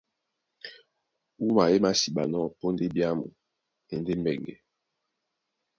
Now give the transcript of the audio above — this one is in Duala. Wúma é māsiɓanɔ́ póndá ebyàmu e e ndé mbɛŋgɛ.